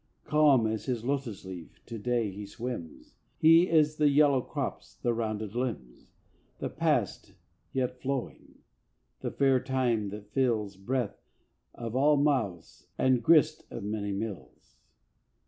Calm as his lotus leaf to day he swims; He is the yellow crops, the rounded limbs, The Past yet flowing, the fair time that fills; Breath of all mouths and grist of many mills.